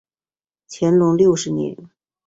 乾隆六十年。